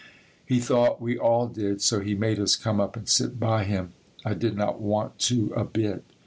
He thought we all did, so he made us come up and sit by him. I did not want to a bit.